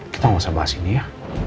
kita nggak usah bahas ini ya